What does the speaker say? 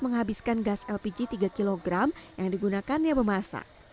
sani juga dapat menghabiskan gas lpg tiga kg yang digunakan dia memasak